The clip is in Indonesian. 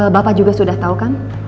bapak juga sudah tahu kan